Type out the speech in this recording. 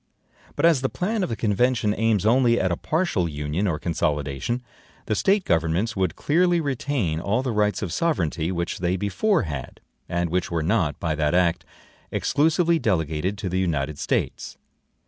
But as the plan of the convention aims only at a partial union or consolidation, the State governments would clearly retain all the rights of sovereignty which they before had, and which were not, by that act, EXCLUSIVELY delegated to the United States.